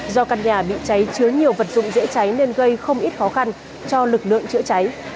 do căn nhà bị cháy chứa nhiều vật dụng dễ cháy nên gây không ít khó khăn cho lực lượng chữa cháy